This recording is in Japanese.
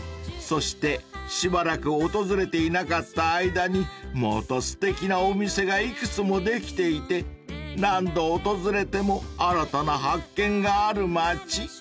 ［そしてしばらく訪れていなかった間にまたすてきなお店が幾つもできていて何度訪れても新たな発見がある街］